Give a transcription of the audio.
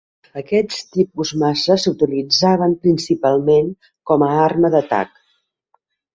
Aquests tipus maces s'utilitzaven principalment com a arma d'atac.